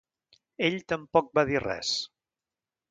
Ell tampoc va dir res.